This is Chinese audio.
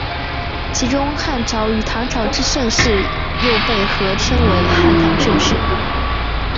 其中汉朝与唐朝之盛世又被合称为汉唐盛世。